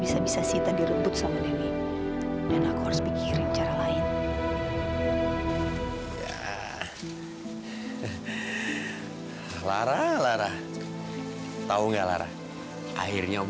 sampai jumpa di video selanjutnya